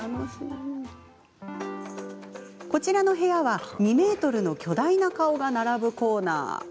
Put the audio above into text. こちらの部屋は２ｍの巨大な顔が並ぶコーナー。